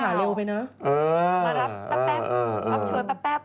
แต่มาแล้วตกหน้าผาเร็วไปนะ